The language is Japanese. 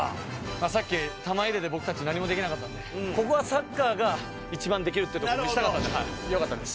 さっき玉入れで僕たち何もできなかったのでここはサッカーが一番できるってとこを見せたかったんでよかったです。